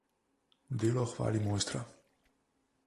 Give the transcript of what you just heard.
Delo hvali mojstra.